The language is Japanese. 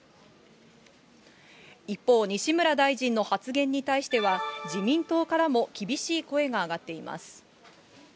一方、西村大臣の発言に対しては、自民党からも厳しい声が上がっています。